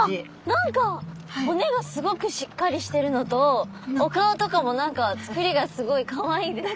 何か骨がすごくしっかりしてるのとお顔とかも何か作りがすごいかわいいですよね。